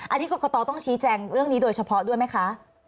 อันนี้กรกตต้องชี้แจงเรื่องนี้โดยเฉพาะด้วยไหมคะ